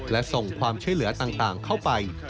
และส่งความช่วยเหลือต่างเข้าไป